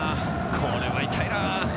これは痛いな。